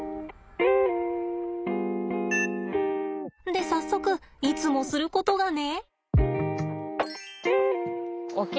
で早速いつもすることがね。